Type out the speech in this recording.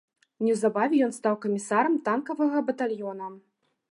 Неўзабаве ён стаў камісарам танкавага батальёна.